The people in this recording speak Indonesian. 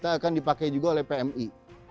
tapi juga akan dipakai juga oleh pmi